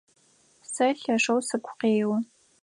Сэ лъэшэу сыгу къео.